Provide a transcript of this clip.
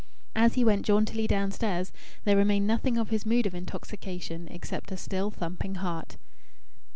As he went jauntily downstairs there remained nothing of his mood of intoxication except a still thumping heart.